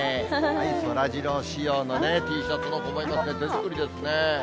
そらジロー仕様のＴシャツの子もいますね、手作りですね。